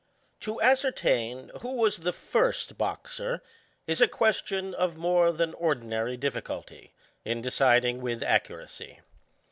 To ascertain who was the first boxer is a question of more than ordinary difiiculty, in deciding with accuracy.